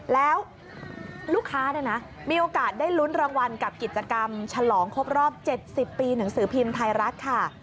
แล้วลูกค้าเนี่ยนะมีโอกาสได้ลุ้นรางวัลกับกิจกรรมฉลองครบรอบ๗๐ปีหนังสือพิมพ์ไทยรัฐค่ะ